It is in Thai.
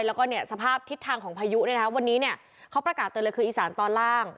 แล้วก็เนี่ยสภาพทิศทางของพายุเนี่ยนะคะวันนี้เนี่ยเขาประกาศเตือนเลยคืออีสานตอนล่าง